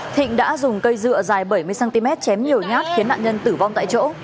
thịnh đã dùng cây dựa dài bảy mươi cm chém nhiều nhát khiến nạn nhân tử vong tại chỗ